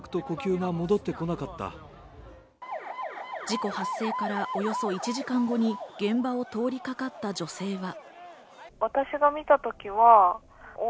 事故発生からおよそ１時間後に現場に通りかかった女性は。